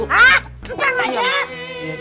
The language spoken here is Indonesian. hah cepet aja